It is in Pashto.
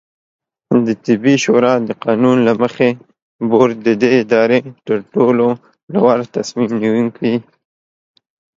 دطبي شورا د قانون له مخې، بورډ د دې ادارې ترټولو لوړتصمیم نیونکې